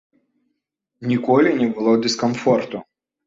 Ніколі не было дыскамфорту.